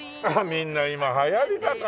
みんな今流行りだから。